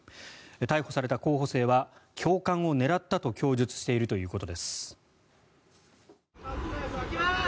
逮捕された候補生は教官を狙ったと供述しているということです。